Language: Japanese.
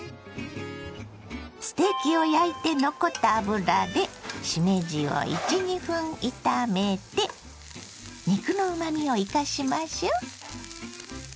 ステーキを焼いて残った油でしめじを１２分炒めて肉のうまみを生かしましょ。